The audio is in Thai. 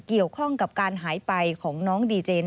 เกี่ยวข้องกับการหายไปของน้องดีเจน